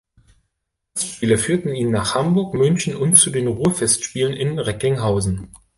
Gastspiele führten ihn nach Hamburg, München und zu den Ruhrfestspielen in Recklinghausen.